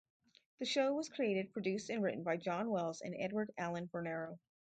The show was created, produced, and written by John Wells and Edward Allen Bernero.